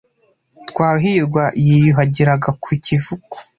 Twahirwa yiyuhagiraga ku kivuko.